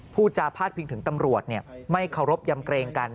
ผู้จาพลาดเพียงถึงตำรวจเนี่ยไม่เคารพยำเกรงกัน